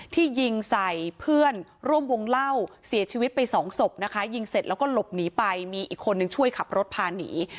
ที่ยิงใส่เพื่อนร่วมวงเล่าเสียชีวิตไปสองศพนะคะยิงเสร็จแล้วก็หลบหนีไปมีอีกคนนึงช่วยขับรถพาหนี